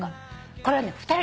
これはね